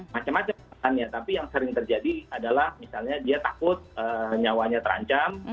macam macam tapi yang sering terjadi adalah misalnya dia takut nyawanya terancam